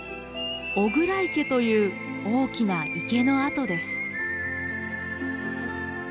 巨椋池という大きな池の跡です。